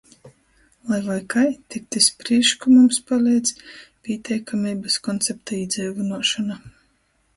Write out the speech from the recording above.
Lai voi kai, tikt iz prīšku mums paleidz "pīteikameibys" koncepta īdzeivynuošona.